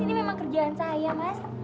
ini memang kerjaan saya mas